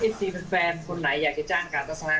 ทีแฟนคนไหนอยากจะจ้างการทัศนา